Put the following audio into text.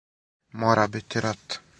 Мора бити рата!